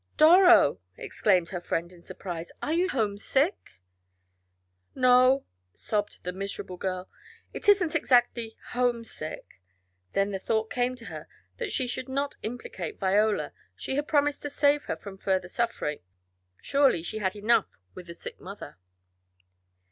"Doro!" exclaimed her friend in surprise. "Are you homesick?" "No," sobbed the miserable girl. "It isn't exactly homesick ." Then the thought came to her that she should not implicate Viola, she had promised to save her from further suffering. Surely she had enough with the sick mother.